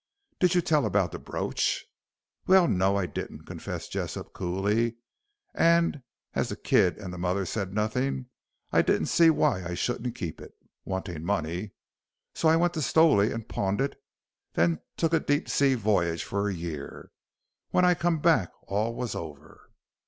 "Did you tell about the brooch?" "Well, no, I didn't," confessed Jessop, coolly, "an' as the kid and the mother said nothing, I didn't see why I shouldn't keep it, wantin' money. So I went to Stowley and pawned it, then took a deep sea voyage for a year. When I come back, all was over."